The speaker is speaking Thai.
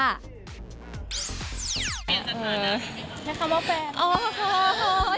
เปลี่ยนสัมภาษณ์นะ